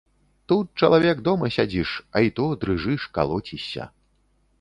Тут, чалавек, дома сядзіш, а і то дрыжыш, калоцішся.